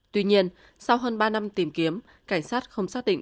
tuy nhiên sau hơn ba năm tìm kiếm cảnh sát không xác định